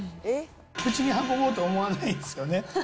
口に運ぼうと思わないですよね。